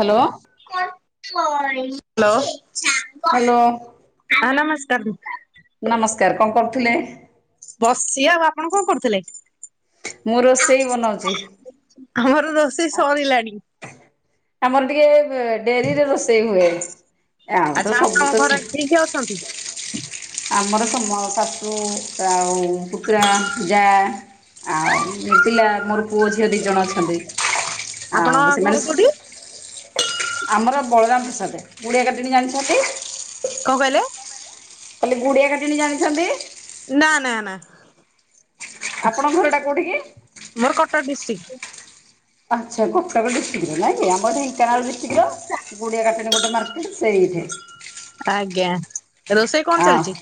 Hello. କ hello. Hello. ହଁ ନମସ୍କାର। ନମସ୍କାର କଣ କରୁଥିଲେ। ବସି ଆଉ ଆପଣ କଣ କରୁଥିଲେ। ମୁଁ ରୋଷେଇ ବନାଉଛି। ଆମର ରୋଷେଇ ସରିଲାଣି। ଆମର ଟିକେ ଡେରିରେ ରୋଷେଇ ହୁଏ। ଆଉ ତ ସବୁ ତ ଟିକେ ଅଛନ୍ତି। ଆମର ସମ ଶାଶୁ ଆଉ ପୁତୁରା ଯା। ଆଉ ପିଲା ମୋର ପୁଅ ଝିଅ ଦୁଇଜଣ ଅଛନ୍ତି। ଆଉ ଆପଣ ସେମାନେ ଘର କୋଉଠି? ଆମର ବଳରାମ ପ୍ରସାଦ କୋଡ଼ିଏ ଏକାରଣୀ ଜାଣିଛନ୍ତି। କଣ କହିଲେ? କୋଡ଼ିଏ ଏକାରଣୀ ଜାଣିଛନ୍ତି? ନା ନା ନା ଆପଣଙ୍କ ଘର ଟା କୋଉଠି କି? ମୋର କଟକ ଡିଷ୍ଟ୍ରିକ୍ଟ। ଆଛା କଟକ ଡିଷ୍ଟ୍ରିକ୍ଟ ନାଇ ଆମର ଢେଙ୍କାନାଳ ଡିଷ୍ଟ୍ରିକ୍ଟ୍ ର ଗୁଡିଆ କାଟଣୀ ଗୋଟେ ମାରେ ସେଇଠି। ଆଜ୍ଞା ରୋଷେଇ କଣ ହଁ। ଚାଲିଛି?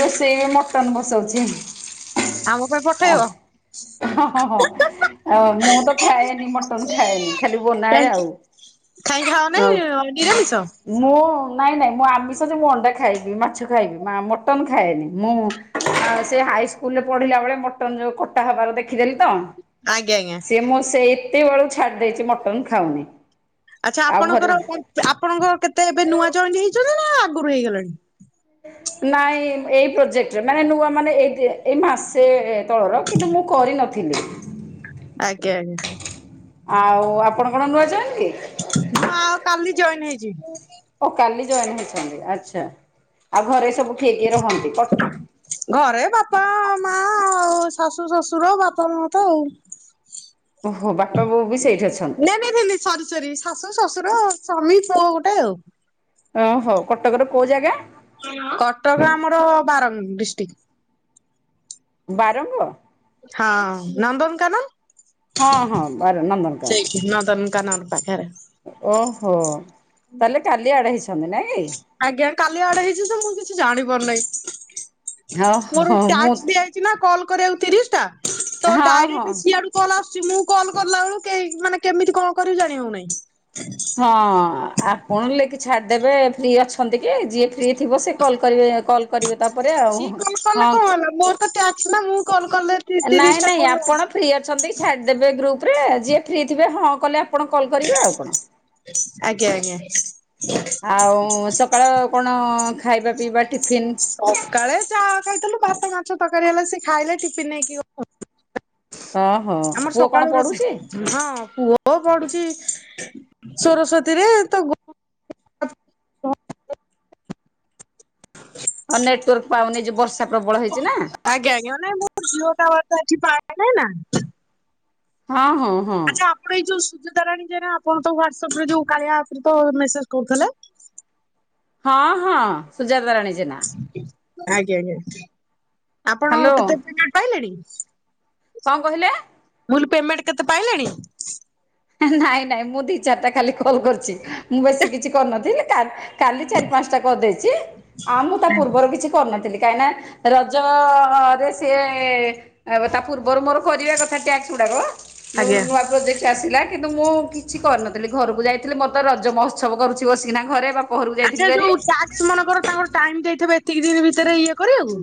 ରୋଷେଇ ରେ ମଟନ ବସାଉଛି ଆଉ। ଆମ ପାଇଁ ପଠେଇବ। ହଁ ହଁ ହଁ ଆଉ ମୁଁ ତ ଖାଏନି ମଟନ ଖାଏନି ଖାଲି ବନାଏ ଆଉ। ଖାଇ ଖାଅନାଇଁ ନିରାମିଷ। ମୁଁ ନାଇଁ ନାଇଁ ମୁଁ ଆମିଶି ମୁଁ ଅଣ୍ଡା ଖାଇବି ମାଛ ଖାଇବି ମା ମଟନ୍ ଖାଏନି ମୁଁ ସେ ହାଇସ୍କୁଲରେ ପଢିଲା ବେଳେ ମଟନ ଯୋଉ କଟା ହବାର ଦେଖିଦେଲି ତ। ଆଜ୍ଞା ଆଜ୍ଞା ସିଏ ମୁଁ ସେ ଏତେ ବଳୁ ଛାଡି ଦେଇଛି ମଟନ ଖାଉନି। ଆଚ୍ଛା ଆଉ ଘରେ ଆପଣଙ୍କର ଆପଣଙ୍କର କେତେ ଏବେ ନୂଆ ଜଏନ ହେଇଛନ୍ତି ନା ଆଗରୁ ହେଇଗଲାଣି। ନାଇଁ ଏଇ ପ୍ରୋଜେକ୍ଟରେ ମାନେ ନୂଆ ମାନେ ଏଇ ଏଇ ମାସେ ତଳର କିନ୍ତୁ ମୁଁ କରିନଥିଲି। ଆଜ୍ଞା ଆଜ୍ଞା ଆଉ ଆପଣ କଣ ନୂଆ ଜଏନ କି? ମୁଁ ଆଉ କାଲି ଜଏନ୍ ହେଇଛି। ଓ କାଲି ଜଇନ ହେଇଛନ୍ତି ଆଚ୍ଛା ଆଉ ଘରେ ସବୁ କିଏ କିଏ ରହନ୍ତି? ଘରେ ବାପା ମା ଆଉ ଶାଶୁ ଶଶୁର ବାପା ମା ତ ଆଉ। ଓ ହୋ ବାପା ବୋଉ ବି ସେଥିରେ। ନାଇଁ ନାଇଁ ନାଇଁ ସରି ସରି ଶାଶୁ ଶ୍ୱଶୁର ସ୍ୱାମୀ ପୁଅ ଗୋଟେ ଆଉ। ଓ ହୋ କଟକର କୋଉ ଜାଗା କଟକ ଆମର ବାରଙ୍ଗ ଡିଷ୍ଟ୍ରିକଟ। ବାରଙ୍ଗ? ହଁ ନନ୍ଦନକାନ ହଁ ହଁ ବାର ନନ୍ଦନକାନନ ସେଇ ନନ୍ଦନ କାନନ ପାଖରେ ଓହୋ ତାହେଲେ କାଲି ଆଡ ହେଇଛନ୍ତି ନାଇଁ। କି? ଆଜ୍ଞା କାଲି ଆଡେ ହେଇଛି ସେ ମୁଁ କିଛି ଜାଣି ପାରୁନାହିଁ। ହଁ ମୋର ହଁ ମୁଁ ଟ୍ୟାକ୍ସ ଦିଆଯାଇଚି ନା କଲ୍ କରିବାକୁ ତିରିଶିଟା ତ ହଁ ହଁ। ଡାଇରେକ୍ଟ ସିଆଡୁ କଲ୍ ଆସୁଚି ମୁଁ କଲ୍ କଲା ବେଳୁ କେହି ମାନେ କେମିତି କଣ କରିବି ଜାଣି ହଉନାହିଁ। ହଁ ଆପଣ ଲେକି ଛାଡ଼ିଦେବେ ଫ୍ରି ଅଛନ୍ତି କି ଯିଏ ଫ୍ରି ଥିବ ସେ କଲ୍ କରିବେ କଲ୍ କରିବେ ତାପରେ ଆଉ ସିଏ କଲ୍ କଲେ ହଁ। କଣ ହେଲା ମୋର ତ ଟ୍ୟାକ୍ସ ନା ମୁଁ କଲ୍ କଲେ ନାଇଁ ତିରିଶି ଟା ନାଇଁ କଲ ଆପଣ ଫ୍ରି ଅଛନ୍ତି କି ଛାଡ଼ିଦେବେ ଗ୍ରୁପରେ ଯିଏ ଫ୍ରି ଥିବ ହଁ କଲେ ଆପଣ କଲ୍ କରିବେ ଆଉ କଣ। ଆଜ୍ଞା ଆଜ୍ଞା। ଆଉ ସକାଳ କଣ ଖାଇବା ପିଇବା ଟିଫିନ୍? ସକାଳେ ଚାହା ଖାଇଥିଲୁ, ଭାତ ମାଛ ତରକାରୀ ହେଲା ସେ ଖାଇଲେ ଟିଫିନ୍ ନେଇକି ଗ ଓହୋ ଆମର ପୁଅ କଣ ସକାଳୁ ପଢୁଛି? ରୋଷେଇ। ହଁ ପୁଅ ପଡୁଛି ସୋରସ୍ଵତୀ ରେ ତ ହଉ ନେଟୱାର୍କ ପାଉନି ଯେ, ବର୍ଷା ପ୍ରବଳ ହେଇଚି ନା। ଆଜ୍ଞା ଆଜ୍ଞା। [unintelligible] ହଁ ହଉ ହଁ। ଆପଣ ଏଇ ଯୋଉ ସୁଜତାରାଣୀ ଜେନା ଆପଣ ତ ହ୍ୱାଟସଆପରେ ଯୋଉ କାଳିଆକୁ ତ ମେସେଜ କରୁଥିଲେ। ହଁ ହଁ ସୁଜାତାରାଣୀ ଜେନା। ଆଜ୍ଞା ଆଜ୍ଞା। ଆପଣ ହ୍ୟାଲୋ କେତେ ପେମେଣ୍ଟ ପାଇଲେଣି? କଣ କହିଲେ? ମୁଁ ଲି ପେମେଣ୍ଟ କେତେ ପାଇଲେଣି? ନାଇଁ ନାଇଁ ମୁଁ ଦି ଚାରିଟା ଖାଲି କଲ କରିଚି, ମୁଁ ବେଶୀ କିଛି କରିନଥିଲି କା କାଲି ଚାରି ପାଞ୍ଚଟା କରିଦେଇଚି, ଆଉ ମୁଁ ତା ପୂର୍ବର କିଛି କରିନଥିଲି କାଇଁ ନା ରଜ ରେ ସିଏ ତା ପୂର୍ବରୁ ମୋର କରିବା କଥା ଟ୍ୟାକ୍ସ ଗୁଡାକ ଯୋଉ ଆଜ୍ଞା। ନୂଆ ପ୍ରୋଜେକ୍ଟ ଆସିଲା କିନ୍ତୁ ମୁଁ କିଛି କରିନଥିଲି ଘରକୁ ଯାଇଥିଲି ମୋର ତ ରଜ ମହୋତ୍ସବ କରୁଚି ବସିକିନା ଘରେ ବା ଆଚ୍ଛା ଯୋଉ ଟ୍ୟାକ୍ସ ମାନଙ୍କର ତାଙ୍କର ଟାଇମ୍ ଦେଇଥେବେ ଏତିକି ଦିନ ଭିତରେ ଇଏ କରିଆକୁ?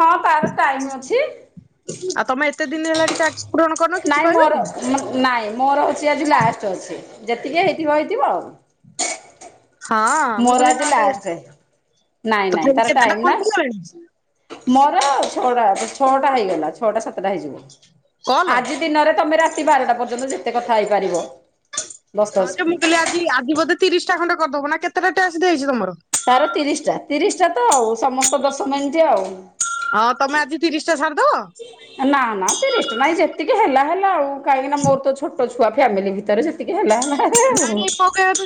ହଁ ତାର ଟାଇମ୍ ଅଛି। ଆଉ ତମେ ଏତେ ଦିନ ହେଲାଣି ଟ୍ୟାକ୍ସ ପୂରଣ କରିନ କିଛି ନାଇଁ ମୋର କହିବେନି? ନାଇଁ ମୋର ହଉଚି ଆଜି ଲାଷ୍ଟ ଅଛି ଯେତିକି ହେଇଥିବ ହେଇଥିବ ଆଉ। ହଁ ମୁଁ ମୋର କହିଲି ଆଜି ନହେଲେ ଲାଷ୍ଟେ, ନାଇଁ ନାଇଁ ତଥାପି ତାର କେତେଟା ଟାଇମ୍ ନା। ଖଣ୍ଡେ ହେଇଗଲାଣି ମୋର ଛଅଟା, ଛଅଟା ହେଇଗଲା ଛଅଟା ସାତଟା ହେଇଯିବ କଲ? ଆଜି ଦିନରେ ତମେ ରାତି ବାରଟା ପର୍ଯ୍ୟନ୍ତ ଯେତେ କଥା ହେଇପାରିବ। ଦଶ ହଁ ଦଶ ଯେ ମୁଁ କଲି ଆଜି ଆଜି ବୋଧେ ତିରିଶିଟା ଖଣ୍ଡେ କରିଦବୁ ନା କେତେଟା ଟ୍ୟାକ୍ସ ଦିଆ ହେଇଚି ତମର? ତାର ତିରିଶିଟା ତିରିଶିଟା ତ ଆଉ ସମସ୍ତ ଦଶ ମିନଟ୍ ଆଉ। ହଁ ତମେ ଆଜି ତିରିଶି ଟା ସାରିଦବ? ନା ନା ତିରିଶ ଟା ନାଇଁ ଯେତିକି ହେଲା ହେଲା ଆଉ, କାଇଁକି ନା ମୋର ତ ଛୋଟ ଛୁଆ ଫ୍ୟାମିଲି ଭିତେରେ ଯେ ତିକି ହେଲା ହେଲା ଆଉ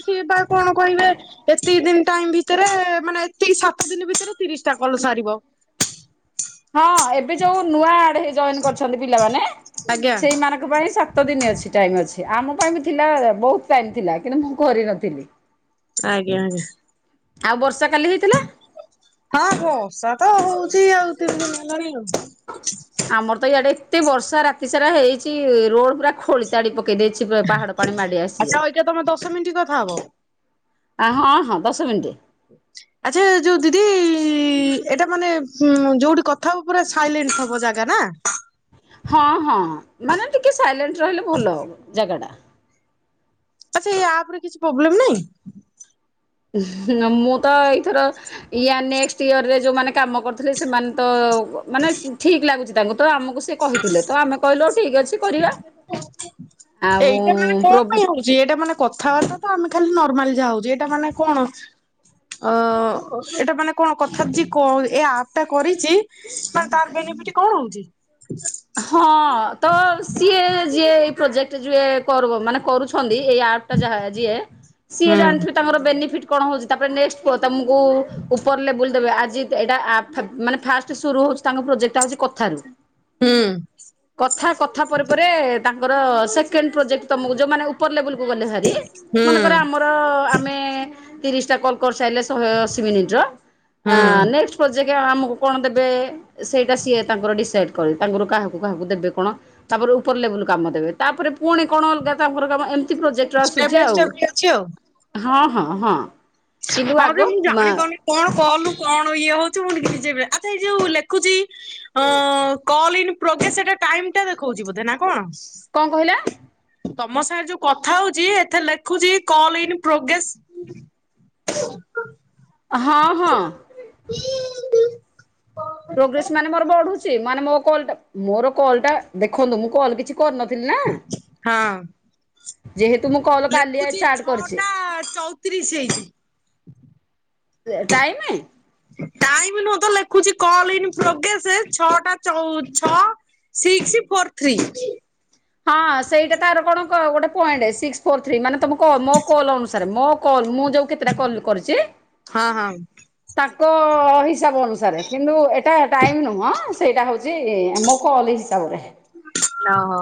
କି ବା କଣ କହିବେ? ଏତିକି ଦିନ ଟାଇମ ଭିତେରେ ମାନେ ଏତିକି ସାତଦିନ ଭିତେରେ ତିରିଶି ଟା କଲ ସାରିବ। [inaudible] ହଁ ଏବେ ଯୋଉ ନୂଆ ଆଡ ହେଇ ଜଏନ୍ କରିଛନ୍ତି ପିଲାମାନେ ଆଜ୍ଞା ସେଇମାନକ ତାଙ୍କ ପାଇଁ ସାତ ଦିନ ଅଛି ଟାଇମ୍ ଅଛି ଆମ ପାଇଁ ବି ଥିଲା ବହୁତ ଟାଇମ୍ ଥିଲା କିନ୍ତୁ ମୁଁ କରିନଥିଲି। [inaudible] ଆଜ୍ଞା ଆଜ୍ଞା। ଆଉ ବର୍ଷା କାଲି ହେଇଥିଲା? ହଁ ବର୍ଷା ତ ହଉଚି ଆଉ ତିନିଦିନି ହେଲାଣି ଆଉ। ଆମର ତ ଇଆଡେ ଏତେ ବର୍ଷା ରାତି ସାରା ହେଇଚି ରୋଡ ପୁରା ଖୋଳି ତାଡି ପକେଇ ଦେଇଚି ପା ପାହାଡ ପାଣି ମାଡି ଆସି ଯେ। ଆଚ୍ଛା ଅଇକା ତମେ ଦଶ ମିନିଟ୍ କଥା ହବ। ଆ ହଁ ହଁ ଦଶ ମିନିଟ୍। ଆଚ୍ଛା ଯୋଉ ଦିଦି ଏଇଟା ମାନେ ଯୋଉଠି କଥା ହବ ପୁରା ସାଇଲେଣ୍ଟ ଥବ ଜାଗା ନା? ହଁ ହଁ ମାନେ ଟିକେ ସାଇଲେଣ୍ଟ ରହିଲେ ଭଲ ହବ, ଜାଗାଟା। ଆଚ୍ଛା ଏଇ ଆପ୍ ରେ କିଛି ପ୍ରୋବ୍ଲେମ୍ ନାହିଁ? ହୁଁ ହୁଁ ମୁଁ ତ ଏଇଥର ଇୟା ନେକ୍ସଟ ଇୟରରେ ଯୋଉଁମାନେ କାମ କରୁଥିଲେ ସେମାନେ ତ ମାନେ ଠିକ ଲାଗୁଛି ତାଙ୍କୁ ତ ଆମକୁ ସେ କହିଥିଲେ ତ ଆମେ କହିଲ ଠିକ ଅଛି କରିବା ଆଉ ପ୍ରୋବ୍ଲେ ଯିଏଟା ମାନେ କଥାବାର୍ତ୍ତା ତ ଆମେ ଖାଲି ନର୍ମାଲି ଯା ହଉଛେ ଏଇଟା ମାନେ କଣ? ଅ ଏଇଟା ମାନେ କଣ କଥାଚି କ ଏ ଏଟା କରିଛି ତାର ବେନିଫିଟ କଣ ହଉଛି? ହଁ ତ ସିଏ ଯିଏ ଏଇ ପ୍ରୋଜେକ୍ଟ ଯିଏ କରୁବ ମାନେ କରୁଛ ଅଛନ୍ତିଟା ଆପ ଯାହା ଯିଏ ସିଏ ହୁଁ ଜାଣିଥିବେ ତାଙ୍କର ବେନିଫିଟ କଣ ହଉଛି ତାପରେ ନେଷ୍ଟ କୁହ ତମକୁ ଉପର ଲେବୁଲ ଦେବେ ଆଜି ଏଇଟା ଆପ ମାନେ ଫାଷ୍ଟ ସୁରୁ ହଉଛି ତାଙ୍କ ପ୍ରୋଜେକ୍ଟ ହଉଛି କଥାରୁ। ହୁଁ। କଥା କଥା ପରେ ପରେ ତାଙ୍କର ସେକ କେଣ୍ଡ ପ୍ରୋଜେକ୍ଟ ତମକୁ ଯୋଉମାନେ ଉପର ଲେବେଲକୁ ଗଲେ ହାରି ହୁଁ ମନେକର ଆମର ଆମେ ତିରିଶିଟା କଲ କରିସାରିଲେ ଶହେ ଅଶୀ ମିନିଟର ହୁଁ। ଆଁ ନେଷ୍ଟ ପ୍ରୋଜେକ୍ଟ ଆଜ୍ଞା ଆମକୁ କଣ ଦେବେ ସେଇଟା ସିଏ ତାଙ୍କର ଡିସାଇଡ କରି ତାଙ୍କର କାହାକୁ କାହାକୁ ଦେବେ କଣ, ତାପରେ ଉପର ଲେବୁଲ୍ କାମ ଦେବେ ତାପରେ ପୁଣି କଣ ଅଲଗା ତାଙ୍କର କାମ ଏମ ତି ଟିପ୍ରୋଜେକ୍ଟର ଷ୍ଟେପ୍ ଆସୁଛି ବାଇ ଆଉ ଷ୍ଟେପ୍ ଇଏ ଅଛି ଆଉ। ହଁ ହଁ ହଁ। କିନ୍ତୁ ହଁ ଯେ ଆଗ ମୁଁ ମା ଜାଣିପାରୁନି କଣ କଅଲୁ କଣ ଇଏ ହଉଛୁ ମୁଁ ନିଜେ ବି ଜାଣି ଆଛା ଏ ଯୋଉ ଲେଖ ଲେଖୁଛି ଅଁ ଅଁ କଲ୍ ଇନ ପ୍ରୋଗେସ ସେଟା ଟାଇମ ଟା ଦେଖଉଛି ବୋଧେ ନା କଣ? କଣ କହିଲା। ତମ ସାଙ୍ଗରେ ଯୋଉ କଥା ହଉଛି ଏଥିରେ ଲେଖୁଛି କଲ ଇନ ପ୍ରୋଗେସ। [inaudible] ହଁ ହଁ। [unintelligible] ପ୍ରୋଗ୍ରେସମାନେ ମୋର ବଢୁଛି ମାନେ ମୋ କଲଟା ମୋର କଲଟା ଦେଖନ୍ତୁ ମୁଁ କଲ୍ କିଛି କରିନଥିଲି ନା। ହଁ। ଯେହେତୁ ମୁଁ କଲ କାଲିଆ ଲେଖୁଛି ଷ୍ଟାର୍ଟ କରିଛି। ଛଅଟା ଚଉତିରିଶ ହେଇଛି ଯେ ଟାଇମ। ଟାଇମ ନୁଁଅ ତ ଲେଖୁଛି କଲ ଇନ ପ୍ରୋଗେସ ଛଅଟା ଚଉ ଛ ସିକ୍ସ ଫୋର୍ ଥ୍ରୀ। ହଁ ସେଇଟା ତାର କଣ ଗୋଟେ ପଏଣ୍ଟ ସିକ୍ସ ଫୋର ଥ୍ରୀ ମାନେ ତ ମୋ କଲ ଅନୁସାରେ ମୋ କଲ ମୁଁ ଯୋଉ କେତେଟା କଲ କରିଚି ହଁ ହଁ। ତାଙ୍କ ହିସାବ ଅନୁସାରେ କିନ୍ତୁ ଏଟା ଟାଇମ ନୁହଁ ସେଇଟା ହଉଛି ମୋ କଲ ହିସାବରେ। ନା ହୋ।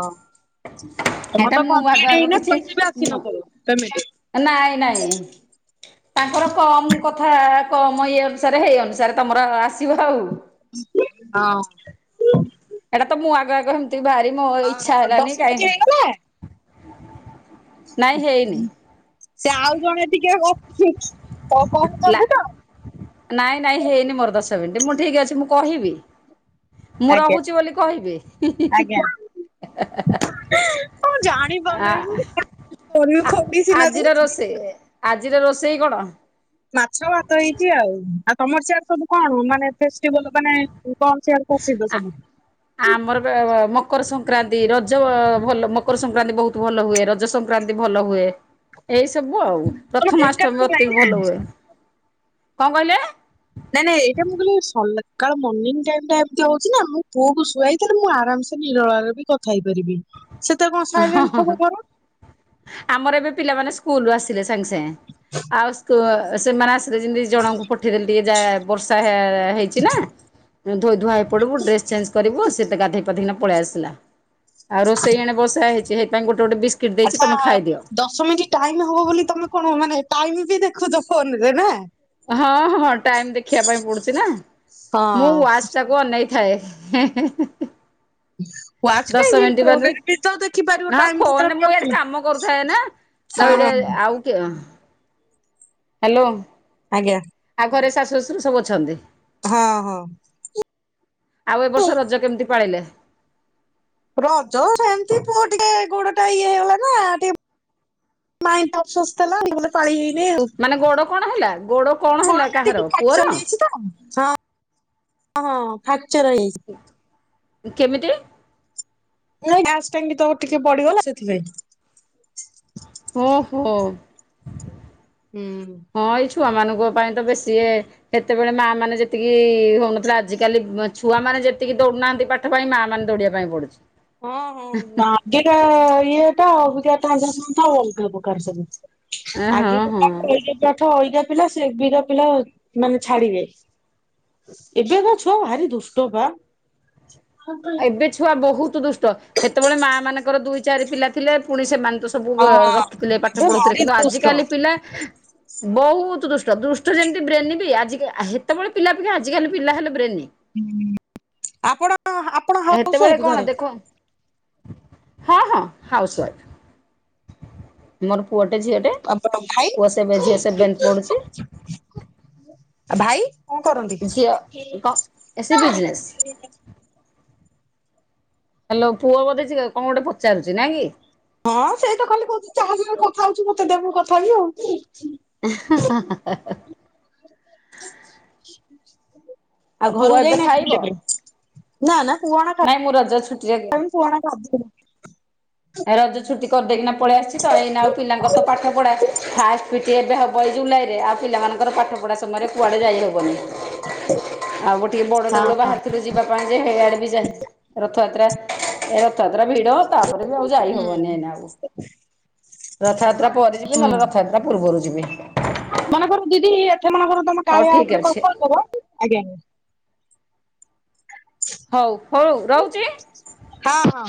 ତମ ଏଟା ତ ମୁଁ ଆଗ କମ୍ପଲିଟ ଆଗ ହେଇନା କିଛି ପଇସା ବି ଆସି ନ ଥିବ ପେମେଟେ? ନାଇଁ ନାଇଁ ତାଙ୍କର କମ କଥା କମ ଇଏ ଅନୁସାରେ ହେଇ ଅନୁସାରେ ତମର ଆସିବ ଆଉ। ହଁ। ଏଟା ତ ମୁଁ ଆଗ ଆଗ ହେମିତି ଭାରି ମୋ ଇଚ୍ଛା ହଁ ହେଲା ଦଶ ନି ମିନିଟ କାଇଁ ହେଇଗଲା ହେଇନି ସେ ଆଉ କଣ ଟିକେ ହସୁଚି କଣ ଲା କରୁଛନ୍ତି ତ। ନାଇଁ ନାଇଁ ହେଇନି ମୋର ଦଶ ମିନିଟ ମୁଁ ଠିକ ଅଛି ମୁଁ କହିବି। ମୁଁ ଆଜ୍ଞା ରହୁଛି ବୋଲି କହିବି ହିଁ ହିଁ ହିଁ ଆଜ୍ଞା। ହେଁ ହଁ ହେଁ ହେଁ। ଆ ଜାଣିପାରୁନାହିଁ ମୁଁ କରିବି ଆ ଖଗି ସିନା ଆଜିର ଯାଇଛି। ରୋଷେଇ ଆଜିର ରୋଷେଇ କଣ? ମାଛ ଭାତ ହେଇଛି ଆଉ ଆଉ ତମର ସିଆଡେ ସବୁ କଣ ମାନେ ଫେଷ୍ଟିଭାଲ ମାନେ କଣ ସିଆଡେ ପ୍ରସିଦ୍ଧ ଆ ସବୁ। ଆମର ମକର ସଂକ୍ରାନ୍ତି, ରଜ ଭଲ ମକର ସଂକ୍ରାନ୍ତି ବହୁତ ଭଲ ହୁଏ, ରଜ ସଂ ସଂକ୍ରାନ୍ତି ଭଲ ହୁଏ। ଏଇ ସବୁ ଆଉ ତମ ପ୍ରଥମାଷ୍ଟମୀ ଢେଙ୍କାନାଳ ଅତି ଭଲ ଲାଇନ୍ ହୁଏ କଣ କହିଲେ? ନାଇଁ ନାଇଁ ଏଇଟା ମୁଁ କହିଲି ସକାଳ ମର୍ଣ୍ଣିିଂ ଟାଇମ ଟା ଏମିତି ହଉଛି ନା ମୁଁ ପୁଅକୁ ଶୁଆଇ ସେ ମୁଁ ଆରାମସ ନିରଳା ରେ ବି କଥା ହେଇପାରିବି ସେତେବେଳେ କଣ ହଁ ସାଇଲେଣ୍ଟ ହଁ ଥିବ ଘର। ଆମର ଏବେ ପିଲାମାନେ ସ୍କୁଲୁ ଆସିଲେ ସାଙ୍ଗେ ସାଙ୍ଗେ ଆଉ ସେମାନେ ରେ ଯେମିତି ଜଣଙ୍କୁ ପଠେଇଦେଲି ଟିକେ ଯା ବର୍ଷା ହେଇଛି ନା ମୁ ଧୋଇ ଧୁଆ ହୋଇ ପଡ଼ିବୁ ଡ୍ରେସ୍ ଚେଞ୍ଜ କରିବୁ ସେତ ଗାଧୋଇ ପାଧେଇକି ପଳି ଆସିଲା। ଆଉ ରୋଷେଇ ଏଣେ ବସା ହେଇଛି ସେଥି ପାଇଁ ଗୋଟେ ଗୋଟେ ବିସ୍କିଟ ଆଚ୍ଛା ଦଶ ମିନିଟ ଟାଇମ ହବ ବୋଲି ତମେ କଣ ମାନେ ଟାଇମି ବି ଦେଖୁଛ ଫୋନରେ ନା? ହଁ ହଁ ଟାଇମ ଦେଖିବା ପାଇଁ ପଡୁଛି ନା ମୁଁ ହଁ ୱାଚ ଟାକୁ ଅନେଇ ଥାଏ। ୱାଚ୍ ଦଶ କାହିଁକି ମିନିଟ ପରେ ଫୋନରେ ବି ତ ଦେଖିପାରିବ ନା ଟାଇମ ଫୋନରେ କେତେବେଳେ କଣ ମୁଁ ଏଠି କଲ। କାମ କରୁଥାଏ ନା। ନ ହଁ ହଁ ହେଲେ ଏଇଟା ଆଉ କିଏ? ହ୍ୟାଲୋ। ଆଜ୍ଞା। ଆଉ ଘରେ ଶାଶୁ ଶଶୁର ସବୁ ଅଛନ୍ତି? ହଁ ହଁ। ଆଉ ଏ ବର୍ଷ ରଜ କେମିତି ପାଳିଲେ? ରଜ ସେମିତି ପୁଅ ଟିକେ ଗୋଡଟା ଇଏ ହେଇଗଲା ନା ଟିକେ ମାଇଣ୍ଡଟା ଅବଶୋଷ ଥିଲା [unintelligible] ଭଲରେ ପାଳି ହେଇ ନାଇଁ ଆଉ। ମାନେ ଗୋଡ଼ କଣ ହେଲା ଗୋଡ଼ କଣ ହେଲା ଗୋଡୋଟା କାହାର ଟିକେ ପୁଅର ଫ୍ୟାକ୍ଚର ହେଇଯାଇଛି ତ ହଁ। ହଁ ହଁ ଫ୍ୟାକ୍ଚର ହେଇଯାଇଛି। କେମିତି? ନାଇଁ ଗ୍ୟାସ ଟାଙ୍କି ତ ଟିକେ ପଡିଗଲା ସେଥିପାଇଁ। ଓ ହୋ। ହୁଁ। ହଁ ଏଇ ଛୁଆମାନଙ୍କ ପାଇଁ ତ ବେଶି ଏ ହେତେବେଳେ ମା ମାନେ ଯେତିକି ହଉନଥିଲା ଆଜିକାଲି ଛୁଆ ମାନେ ଯେତିକି ଦୌଡୁନାହାନ୍ତି ପାଠ ଠ ପାଇଁ ମା ମାନେ ଦୌଡିବା ପାଇଁ ପଡୁଛି। ହଁ ହଁ [unintelligible] ଇଏ ଟା ଅବିକା [unintelligible] ଅଲଗା ପ୍ରକାର ସବୁ। ଏ ହଁ ଆଗେକା ହଁ ପାଠ [unintelligible] ପାଠ ଅଇକା ପିଲା ସେବେକା ପିଲା ମାନେ ଛାଡିବେ ଏବେକା ଛୁଆ ଭାରି ଦୁଷ୍ଟ ବା। ଏବେ ଛୁଆ ବହୁତ ଦୁଷ୍ଟ ସେତେବେଳେ ମା ମାନଙ୍କର ଦୁଇ ଚାରି ପିଲା ଥିଲେ ପୁଣି ସେମାନେ ତ ସବୁ ହଁ ଅ ରଖିଥିଲେ ପାଠ ଏବେ ପଢଉଥିଲେ ଭାରି କିନ୍ତୁ ଦୁଷ୍ଟ। ଆଜିିକାଲି ପିଲା ବହୁତ ଦୁଷ୍ଟ ଦୁଷ୍ଟ ଯେମିତି ବ୍ରେନି ବି ଆଜିକା ହେତେବେଳେ ପିଲା ଥିଲେ ଆଜିକାଲି ପିଲା ହେଲେ ବ୍ରେନି। ହୁଁ ଆପଣ ଆପ ହେତେବେଳେ କଣ ଦେଖ ହଁ ହଁ ହାଉସୱାଇଫ୍। ମୋର ପୁଅଟେ ଝିଅଟେ ଭାଇ ପୁଅ ସେବେ ଝିଅ ସେଭେନ୍ଥ ପଡ଼ୁଛି। ଆଉ ଭାଇ? କଣ କରନ୍ତି? ଝିଅ କଣ ସେ ବିଜନେସ୍ ହ୍ୟାଲୋ ପୁଅ ବୋଧେ ଅଛି କଣ ଗୋଟେ ପଚାରୁଛି ନାଇଁ କି? ହଁ ସେଇ ତ ଖାଲି କହୁଚି ଜାହା ସହିତ କଥା ହଉଛି ମତେ ଦେ ମୁଁ କଥା ହେବି ଆଉ। ଆଉ ପୁଅ ଘରକୁ ଏବେ ଯାଇନାହାନ୍ତି ଖାଇବ ବୁଲିଆ ପାଇଁ? ନା ନା ପୁଅ [unintelligible] ନାଇଁ ମୁଁ ରଜ ଛୁଟିରେ କଣ କରୁଥିଲେ? ଏ ରଜ ଛୁଟି କରିଦେଇକିନା ପଳେଇ ଆସିଛି ତ ଏଇନା ଆଉ ପିଲାଙ୍କର ତ ପାଠ ପଢା ଫାଷ୍ଟ ସି ଏବେ ହବ ଏଇ ଜୁଲାଇରେ ଆଉ ପିଲମାନଙ୍କର ପାଠ ପଢ଼ା ସମୟରେ କୁଆଡ଼େ ଯାଇ ହଉନି। ଆଉ ଗୋଟିଏ ବଡ ହଁ ଦେଉଳ ବାହାର ଥିଲୁ ଯିବା ପାଇଁ ଯେ ହେଇଆଡେ ବି ଯା ରଥଯାତ୍ରା ଏ ରଥଯାତ୍ରା ଭିଡ ତାପରେ ବି ଆଉ ଯାଇ ହବନି ଏଇନା ଆଉ ହୁଁ। ରଥଯାତ୍ରା ପରେ ଯିବି ନହେଲେ ରଥଯାତ୍ରା ପୂର୍ବରୁ ଯିବି। ହଉ ମନେ କର ଦିଦି ଏଥେ ମନେକର ତମ ହଉ କାଳିଆ ଠିକ୍ ଉପରେ ଅଛି [unintelligible] ଥବ ଆଜ୍ଞା ଆଜ୍ଞା। ହ। ହଉ ହଉ ରହୁଛି। ହଁ ହଁ।